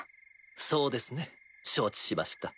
そうですね承知しました。